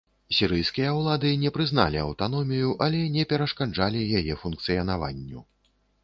Сірыйскія ўлады не прызналі аўтаномію, але не перашкаджалі яе функцыянаванню.